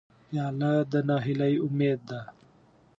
پیاله د نهیلۍ امید ده.